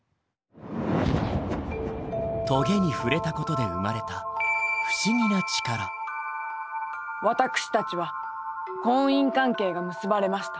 棘に触れたことで生まれた私たちは婚姻関係が結ばれました。